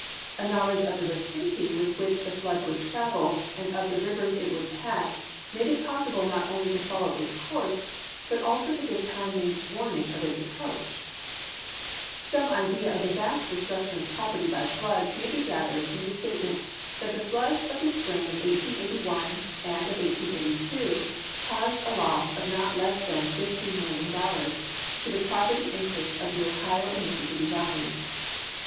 A knowledge of the rapidiU' with which the flood would travel and of the rivers it would pass made it possible not only to follow its course, but also to give timely warning of its approach. Some idea of the vast destruction of properW bv floods may be gathered from the statement that the floods of the spring of 1881 and of 1882 caused a loss of not less than 615,000,000 to the properU' interests of the Ohio and Mi.ssissipi)i valleys.